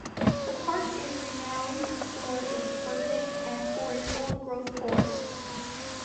The park is renowned for its birding and for its old-growth forests.